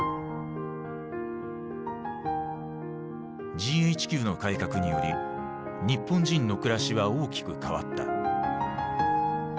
ＧＨＱの改革により日本人の暮らしは大きく変わった。